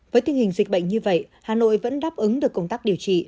với tình hình dịch bệnh như vậy hà nội vẫn đáp ứng được công tác điều trị